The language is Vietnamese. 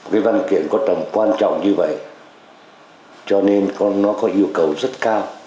cái văn kiện có tầm quan trọng như vậy cho nên nó có yêu cầu rất cao